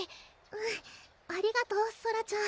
うんありがとうソラちゃん